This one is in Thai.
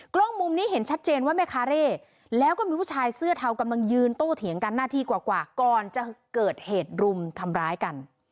กล้องมุมนี้เห็นชัดเจนว่าแม่คาเร่แล้วก็มีผู้ชายเสื้อเทากำลังยืนโต้เถียงกันหน้าที่กว่าก่อนจะเกิดเหตุรุมทำร้ายกัน